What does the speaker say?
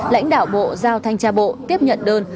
lãnh đạo bộ giao thanh tra bộ tiếp nhận đơn